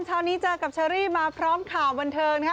เช้านี้เจอกับเชอรี่มาพร้อมข่าวบันเทิงนะคะ